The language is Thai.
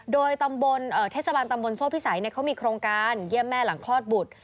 โดยตำบลเทศบาลตำบลโซ่พิสัยเขามีโครงการเยี่ยมแม่หลังคลอดบุตร